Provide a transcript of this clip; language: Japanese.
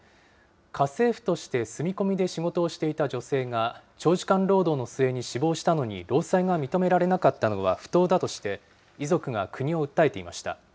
家政婦として住み込みで仕事をしていた女性が、長時間労働の末に死亡したのに労災が認められなかったのは不当だとして、遺族が国を訴えていました。